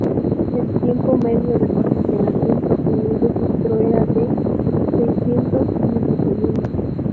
El tiempo medio de posicionamiento en un registro era de seiscientos milisegundos.